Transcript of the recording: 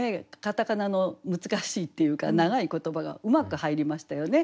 片仮名の難しいっていうか長い言葉がうまく入りましたよね。